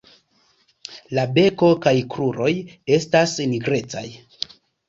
La beko kaj kruroj estas nigrecaj.